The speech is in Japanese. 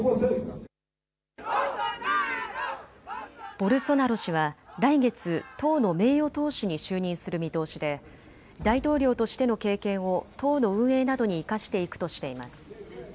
ボルソナロ氏は来月、党の名誉党首に就任する見通しで大統領としての経験を党の運営などに生かしていくとしています。